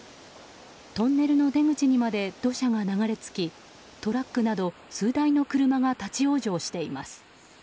トンネルの出口にまで土砂が流れ着きトラックなど数台の車が立ち往生しています。